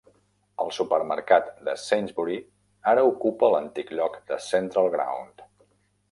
El supermercat de Sainsbury ara ocupa l'antic lloc de Central Ground.